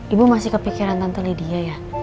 ibu masih kepikiran tante lydia ya